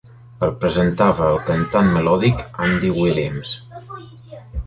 El presentava el cantant melòdic Andy Williams.